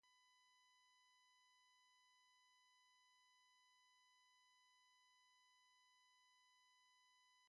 The Festival of the Threshing-floor was intimately connected with the worship of Demeter.